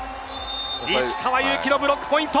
石川祐希のブロックポイント。